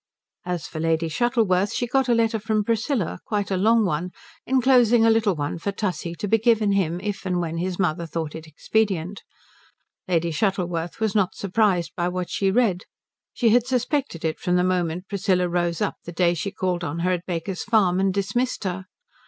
As for Lady Shuttleworth, she got a letter from Priscilla; quite a long one, enclosing a little one for Tussie to be given him if and when his mother thought expedient. Lady Shuttleworth was not surprised by what she read. She had suspected it from the moment Priscilla rose up the day she called on her at Baker's Farm and dismissed her.